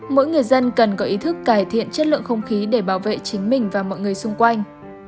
mỗi người dân cần có ý thức cải thiện chất lượng không khí để bảo vệ chính mình và mọi người xung quanh